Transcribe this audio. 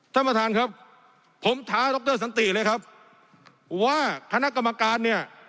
ท่านประธานครับผมท้าดรสันติเลยครับว่าคณะกรรมการเนี่ย